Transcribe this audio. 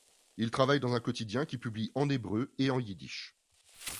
Il travaille dans un quotidien qui publie en hébreu et en yiddish.